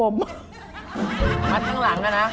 มัดข้างหลังแล้วนะ